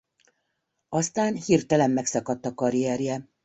Aztán hirtelen megszakadt a karrierje.